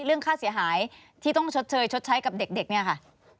เรื่องค่าเสียหายที่ต้องชดเชยชดใช้กับเด็กเนี่ยค่ะ